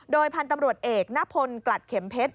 โดยพันธุ์ตำรวจเอกณพลกลัดเข็มเพชร